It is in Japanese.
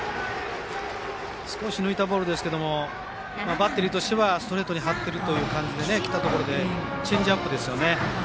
少し抜いたボールですがバッテリーとしてはストレートに張っている感じできたところでチェンジアップですよね。